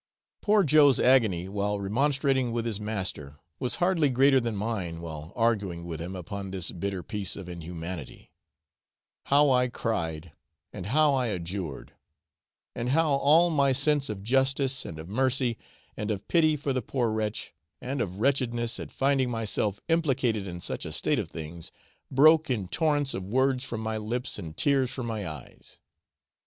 Poor Joe's agony while remonstrating with his master was hardly greater than mine while arguing with him upon this bitter piece of inhumanity how I cried, and how I adjured, and how all my sense of justice and of mercy and of pity for the poor wretch, and of wretchedness at finding myself implicated in such a state of things, broke in torrents of words from my lips and tears from my eyes!